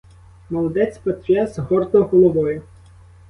Молодець потряс гордо головою.